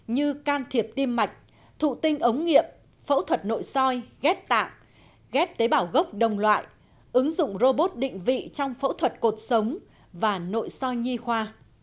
như can thiệp tim mạch thụ tinh ống nghiệm phẫu thuật nội soi ghép tạng ghép tế bảo gốc đồng loại ứng dụng robot định vị trong phẫu thuật cột sống và nội soi nhi khoa